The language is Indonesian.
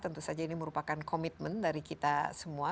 tentu saja ini merupakan komitmen dari kita semua